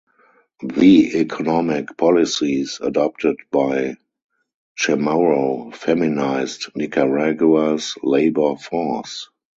The economic policies adopted by Chamorro feminized Nicaragua's labor force.